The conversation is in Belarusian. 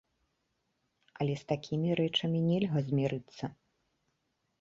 Але з такімі рэчамі нельга змірыцца.